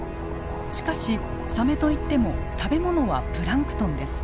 しかしサメといっても食べ物はプランクトンです。